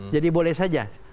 jadi boleh saja